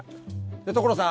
所さん